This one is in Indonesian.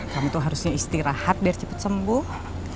kamu tuh harusnya istirahat biar cepat sembuh